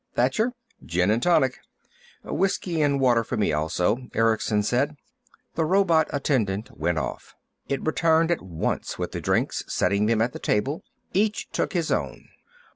"Thacher?" "Gin and tonic." "Whiskey and water for me, also," Erickson said. The robot attendant went off. It returned at once with the drinks, setting them on the table. Each took his own.